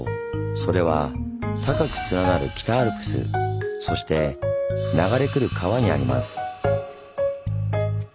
それは高く連なる北アルプスそして流れ来る川にあります。